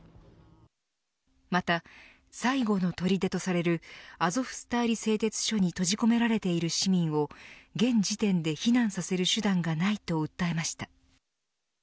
また、最後の砦とされるアゾフスターリ製鉄所に閉じ込められている市民を現時点で避難させる手段がないと訴えました。